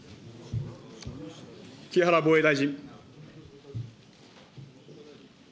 木原防衛大臣。